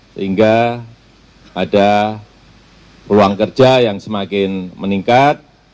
sehingga ada ruang kerja yang semakin meningkat